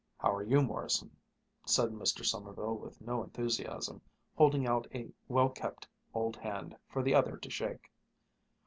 "How're you, Morrison?" said Mr. Sommerville with no enthusiasm, holding out a well kept old hand for the other to shake.